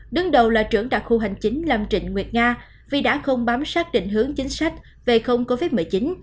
đứng đầu là trưởng đặc khu hành chính làm trịnh nguyệt nga vì đã không bám sát định hướng chính sách về không covid một mươi chín